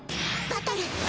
バトル！